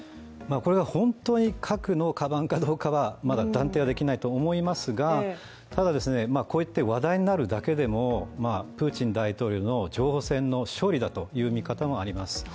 これが本当に核のカバンかどうかは断定できないと思いますがただ、こうやって話題になるだけでもプーチン大統領の情報戦の勝利だという見方もあります。